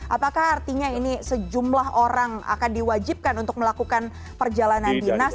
apakah artinya ini sejumlah orang akan diwajibkan untuk melakukan perjalanan dinas